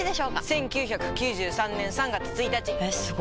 １９９３年３月１日！えすご！